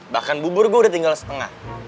bahkan bubur gue udah tinggal setengah